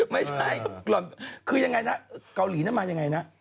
ไม่ใช่หล่อนคือยังไงนะเกาหลีนั้นมายังไงนะ